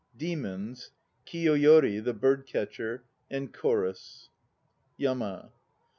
DEMONS. KIYOYORI, THE BIRD CATCHER. CHORUS. YAMA.